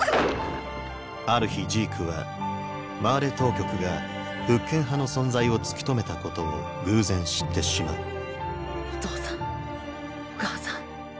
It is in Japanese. ある日ジークはマーレ当局が復権派の存在を突き止めたことを偶然知ってしまうお父さんお母さん